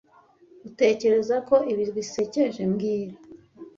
Utekereza ko ibi bisekeje mbwira